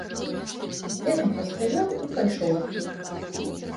Я там пастаяў і пайшоў адтуль.